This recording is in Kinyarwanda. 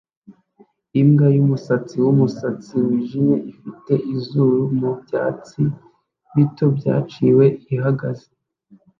Imbwa yumusatsi wumusatsi wijimye ifite izuru mubyatsi bito byaciwe ihagaze